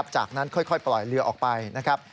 จากนั้นค่อยปล่อยเรือออกไปนะครับ